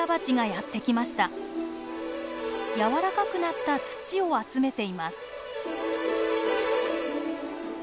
やわらかくなった土を集めています。